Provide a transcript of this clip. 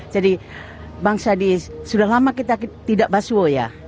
jadi bang shadi sudah lama kita tidak baswo ya